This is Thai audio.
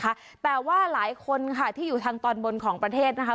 แต่ว่าหลายคนค่ะที่อยู่ทางตอนบนของประเทศนะคะ